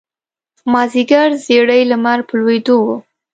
مازیګر زیړی لمر په لویېدو و.